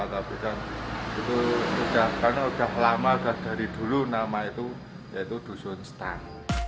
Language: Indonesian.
tapi kan itu sudah lama dari dulu nama itu dusun stun